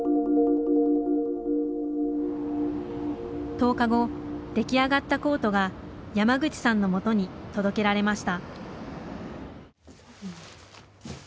１０日後出来上がったコートが山口さんのもとに届けられました